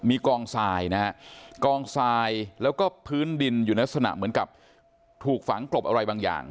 มีกองทรายนะฮะกองทรายแล้วก็พื้นดินอยู่ในลักษณะเหมือนกับถูกฝังกลบอะไรบางอย่าง